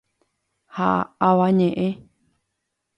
¡Ha avañeʼẽ!